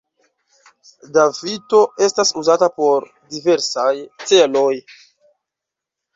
Davito estas uzata por diversaj celoj.